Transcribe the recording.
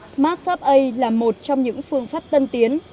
smartsupply là một trong những phương pháp tân tiến